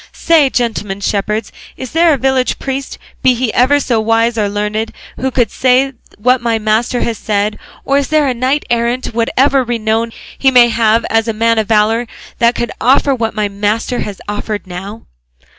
Say, gentlemen shepherds, is there a village priest, be he ever so wise or learned, who could say what my master has said; or is there knight errant, whatever renown he may have as a man of valour, that could offer what my master has offered now?"